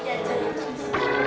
enak tuh kuenya